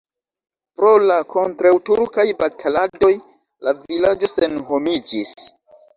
Pro la kontraŭturkaj bataladoj la vilaĝo senhomiĝis.